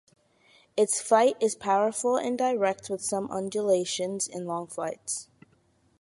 Its fight is powerful and direct with some undulations in long flights.